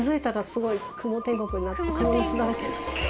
クモの巣だらけになってて。